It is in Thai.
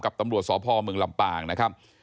กับตำรวจสอพอร์เมืองลำปางนะครับ